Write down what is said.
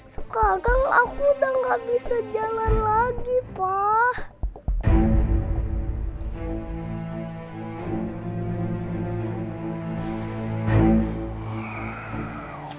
sekarang aku udah gak bisa jalan lagi pak